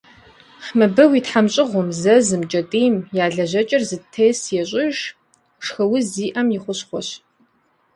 Мыбы уи тхьэмщӏыгъум, зэзым, кӏэтӏийм я лэжьэкӏэр зэтес ещӏыж, шхыуз зиӏэми и хущхъуэщ.